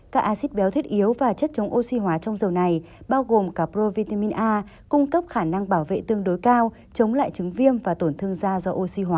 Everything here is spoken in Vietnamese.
các acid béo thiết yếu và chất chống oxy hóa trong dầu này bao gồm cả provitemin a cung cấp khả năng bảo vệ tương đối cao chống lại chứng viêm và tổn thương da do oxy hóa